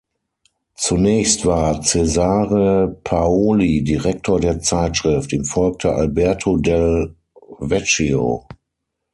Zunächst war Cesare Paoli Direktor der Zeitschrift, ihm folgte Alberto Del Vecchio.